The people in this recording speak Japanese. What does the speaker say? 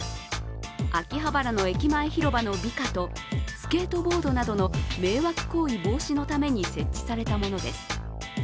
秋葉原の駅前広場の美化とスケートボードなどの迷惑行為防止のために設置されたものです。